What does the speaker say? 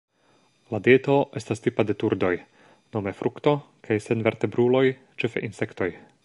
La dieto estas tipa de turdoj: nome frukto kaj senvertebruloj, ĉefe insektoj.